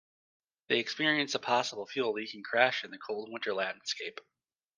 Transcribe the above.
They experience a possible fuel leak and crash in the cold winter landscape.